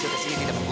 robek sama papa